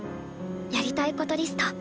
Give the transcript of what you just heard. やりたいことリスト。